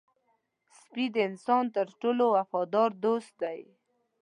سپي د انسان تر ټولو وفادار دوست دی.